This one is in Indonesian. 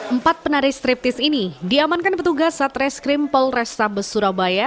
empat penari striptease ini diamankan petugas satres krim polresta besurabaya